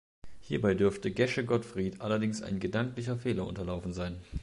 Hierbei dürfte Gesche Gottfried allerdings ein gedanklicher Fehler unterlaufen sein.